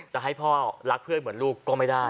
จะให้พ่อรักเพื่อนเหมือนลูกก็ไม่ได้